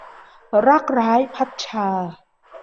รักร้าย - พัดชา